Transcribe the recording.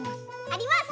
あります。